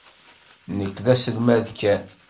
Nekk d aselmad kan.